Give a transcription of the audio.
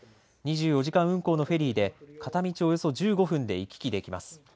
２４時間運航のフェリーで片道およそ１５分で行き来できます。